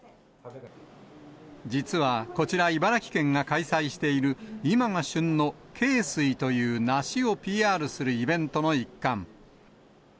実はこちら、茨城県が開催している、今が旬の恵水という梨をＰＲするイベントの一環。